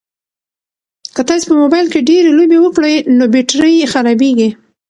که تاسي په موبایل کې ډېرې لوبې وکړئ نو بېټرۍ خرابیږي.